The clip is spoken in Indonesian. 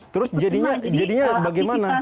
terus jadinya bagaimana